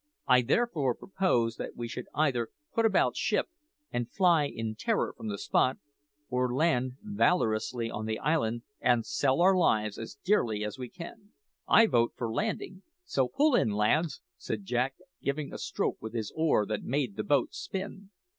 I therefore propose that we should either put about ship and fly in terror from the spot, or land valorously on the island and sell our lives as dearly as we can." "I vote for landing; so pull in, lads!" said Jack, giving a stroke with his oar that made the boat spin.